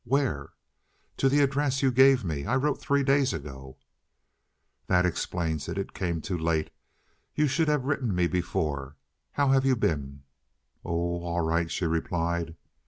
"Where?" "To the address you gave me. I wrote three days ago." "That explains it. It came too late. You should have written me before. How have you been?" "Oh, all right," she replied.